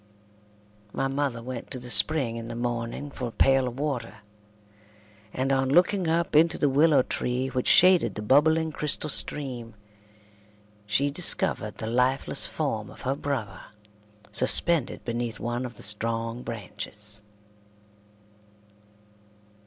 My mother went to the spring in the morning for a pail of water, and on looking up into the willow tree which shaded the bubbling crystal stream, she discovered the lifeless form of her brother suspended beneath one of the strong branches.